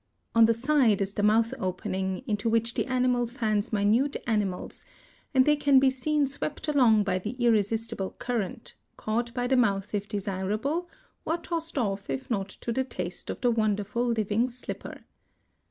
On the side is the mouth opening, into which the animal fans minute animals, and they can be seen swept along by the irresistible current, caught by the mouth if desirable, or tossed off if not to the taste of the wonderful living slipper.